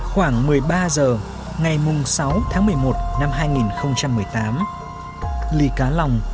khoảng một mươi ba h ngày sáu tháng một mươi một